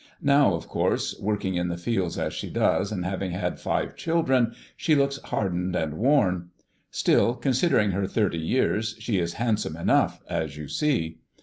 Now, of course, working in the fields as she does, and having had five children, she looks hardened and worn. Still, considering her thirty years, she is handsome enough, as you see.